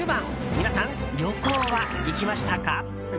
皆さん、旅行は行きましたか？